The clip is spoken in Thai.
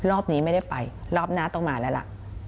รอบนี้ไม่ได้ไปรอบหน้าต้องมาแล้วล่ะ